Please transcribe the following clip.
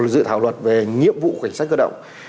dự thảo luật về nhiệm vụ cảnh sát cơ động